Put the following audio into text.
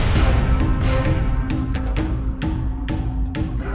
sampai ketemu dia